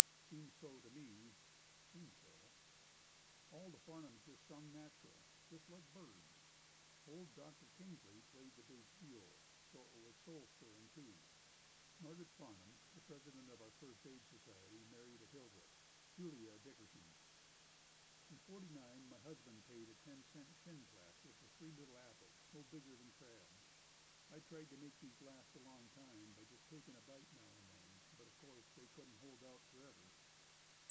Seems so to me seems so. All the Farnhams just sung natural, just like birds. Old Doctor Kingsley played the bass viol so it was soul stirrin' too. Margaret Farnham, the president of our first aid society married a Hildreth Julia a Dickerson. In '49 my husband paid a ten cent shin plaster for three little apples no bigger than crabs. I tried to make these last a long time by just taking a bite now and then, but of course, they couldn't hold out forever.